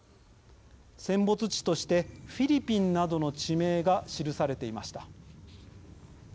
戦没地としてフィリピンなどの地名が記されていました。